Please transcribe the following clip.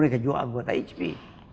saya juga anggota icpi